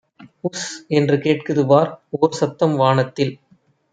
உஸ்என்று கேட்குதுபார் ஓர்சத்தம் வானத்தில்!